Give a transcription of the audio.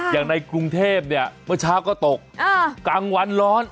อย่างในกรุงเทพเนี่ยเมื่อเช้าก็ตกกลางวันร้อน